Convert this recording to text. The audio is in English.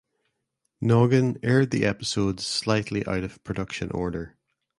Noggin aired the episodes slightly out of production order.